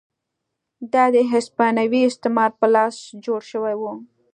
دا د هسپانوي استعمار په لاس جوړ شوي وو.